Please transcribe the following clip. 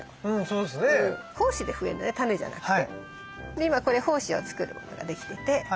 で今これ胞子を作るものができてて。